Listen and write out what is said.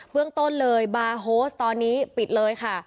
เรื่องต้นเลยบาร์โฮสตอนนี้ปิดเลยค่ะ